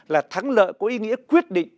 là thắng lợi có ý nghĩa quyết định